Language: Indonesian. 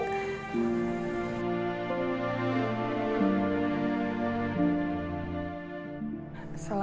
terima kasih ya